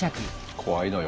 怖いのよ。